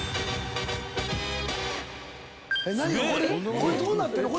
これどうなってるの？